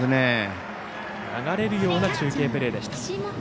流れるような中継プレーでした。